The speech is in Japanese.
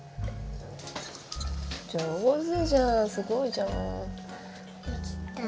上手じゃんすごいじゃん。できた。